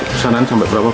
pesanan sampai berapa